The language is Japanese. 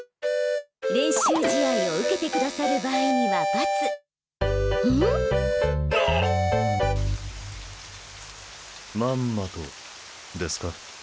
練習試合を受けてくださる場合には×ん？な！？まんまとですか？